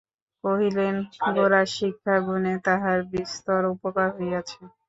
কহিলেন, গোরার শিক্ষা-গুণে তাহার বিস্তর উপকার হইয়াছে।